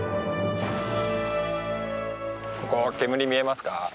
ここ煙見えますか？